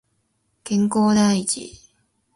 健康第一